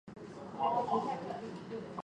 母秦氏。